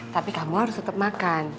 tapi kamu harus tetap makan